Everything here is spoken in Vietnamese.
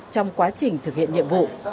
trong quá trình thực hiện nhiệm vụ